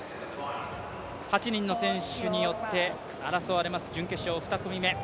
８人の選手によって争われます準決勝２組目。